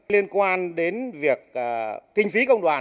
liên quan đến việc kinh phí công đoàn